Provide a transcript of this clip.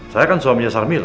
saya kan suaminya sarmila